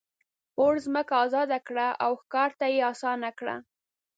اور ځمکه آزاده کړه او ښکار ته یې آسانه کړه.